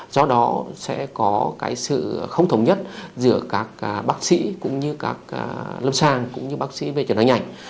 do đó sẽ có cái sự không thống nhất giữa các bác sĩ cũng như các lâm sang cũng như bác sĩ về chụp điện khoang hình ảnh